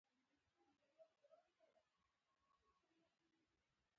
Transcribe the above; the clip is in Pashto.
د ښوونځي عزت یې ونه کړ.